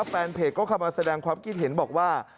แฟนเพจก็เข้ามาแสดงความคิดเห็นบอกว่า